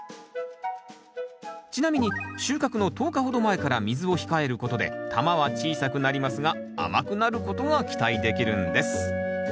ちなみに収穫の１０日ほど前から水を控えることで玉は小さくなりますが甘くなることが期待できるんです